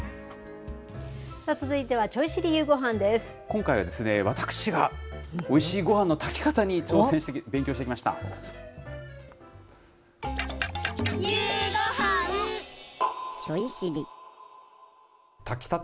今回は私がおいしいごはんの炊き方に挑戦して、勉強してきました。